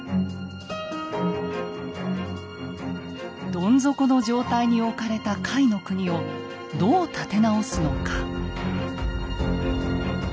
どん底の状態に置かれた甲斐国をどう立て直すのか。